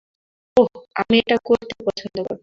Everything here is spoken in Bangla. ওহ, আমি এটা করতে পছন্দ করতাম।